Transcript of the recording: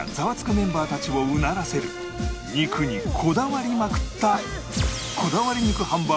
メンバーたちをうならせる肉にこだわりまくった